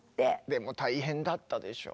でも大変だったでしょう？